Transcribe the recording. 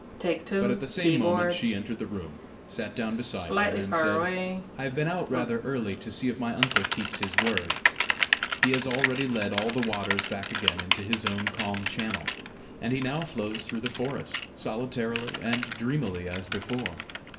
But at the same moment she entered the room, sat down beside him, and said: "I have been out rather early to see if my uncle keeps his word. He has already led all the waters back again into his own calm channel, and he now flows through the forest, solitarily and dreamily as before.